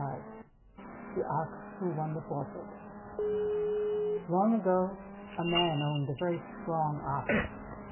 2O v; THE OX WHO WON THE FORFEIT LONG ago a man owned a very strong Ox.